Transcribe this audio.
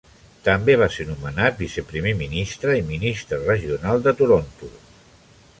També va ser nomenat viceprimer ministre i ministre regional de Toronto.